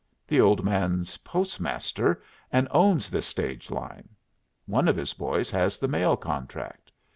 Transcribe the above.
The old man's postmaster, and owns this stage line. One of his boys has the mail contract.